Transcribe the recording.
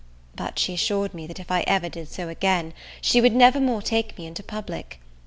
But she assured me that if ever I did so again, she would never more take me into public.